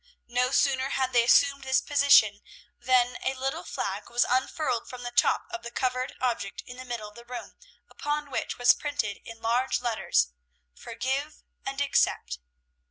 No sooner had they assumed this position than a little flag was unfurled from the top of the covered object in the middle of the room, upon which was printed in large letters: "FORGIVE, AND ACCEPT."